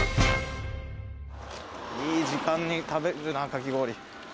いい時間に食べるなかき氷。